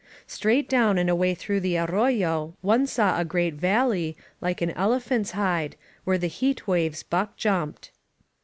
Straight down and away through the arroyo one saw a great valley, like an elephant's hide, where the heat waves buck jumped.